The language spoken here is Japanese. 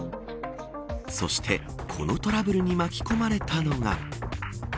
そして、このトラブルに巻き込まれたのが。